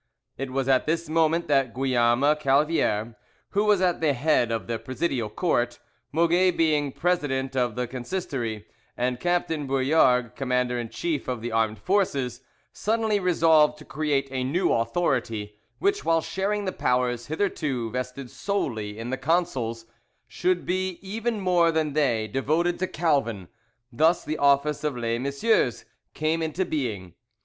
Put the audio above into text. It was at this moment that Guillaume Calviere, who was at the head of the Presidial Court, Moget being president of the Consistory, and Captain Bouillargues commander in chief of the armed forces, suddenly resolved to create a new authority, which, while sharing the powers hitherto vested solely in the consuls, should be, even more than they, devoted to Calvin: thus the office of les Messieurs came into being.